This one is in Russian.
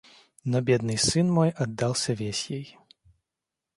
Но бедный сын мой отдался весь ей.